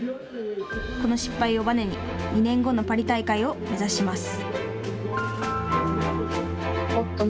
この失敗をバネに２年後のパリ大会を目指します。